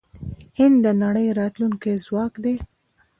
هند د نړۍ راتلونکی ځواک دی.